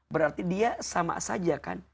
berarti dia sama saja kan